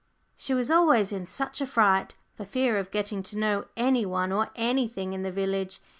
She was always in such a fright, for fear of getting to know any one or anything in the village.